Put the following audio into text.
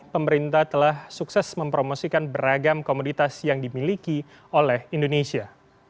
pemerintah telah sukses mempromosikan beragam komoditas yang dimiliki oleh indonesia